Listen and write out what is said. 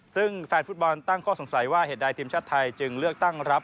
ซึ่งแฟนฟุตบอลตั้งข้อสงสัยว่าเหตุใดทีมชาติไทยจึงเลือกตั้งรับ